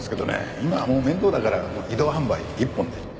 今はもう面倒だから移動販売一本で。